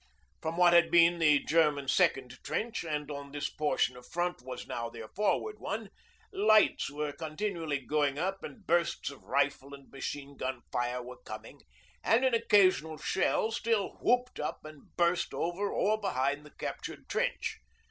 From what had been the German second trench, and on this portion of front was now their forward one, lights were continually going up and bursts of rifle and machine gun fire were coming; and an occasional shell still whooped up and burst over or behind the captured trench.